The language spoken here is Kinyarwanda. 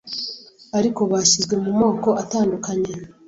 ariko bashyizwe mu moko atandukanye